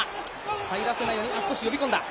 入らせないように、少し呼び込んだ。